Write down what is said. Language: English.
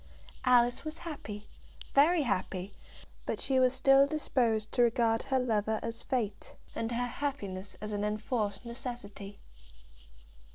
Alice was happy, very happy; but she was still disposed to regard her lover as Fate, and her happiness as an enforced necessity.